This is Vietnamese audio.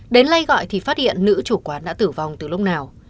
đến nay gọi thì phát hiện nữ chủ quán đã tử vong từ lúc nào